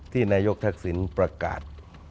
นายกทักษิณประกาศ